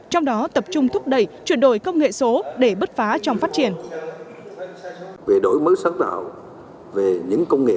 trong đó tập trung thúc đẩy chuyển đổi công nghệ số để bứt phá trong phát triển